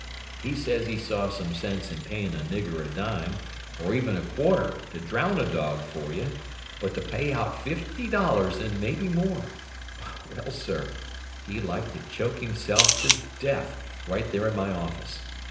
He says he saw some sense in payin' a nigger a dime, or even a quarter, to drown a dog for you, but to pay out fifty dollars and maybe more—well, sir, he like to choked himself to death, right there in my office!